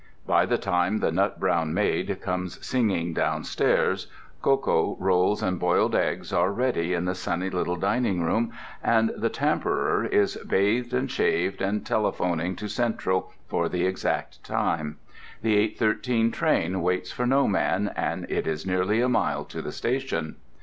By the time the Nut Brown Maid comes singing downstairs, cocoa, rolls, and boiled eggs are ready in the sunny little dining room, and the Tamperer is bathed and shaved and telephoning to Central for "the exact time." The 8:13 train waits for no man, and it is nearly a mile to the station.